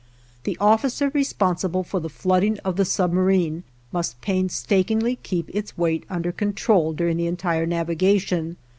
The officer responsible for the flooding of the submarine must painstakingly keep its weight under control during the entire navigation.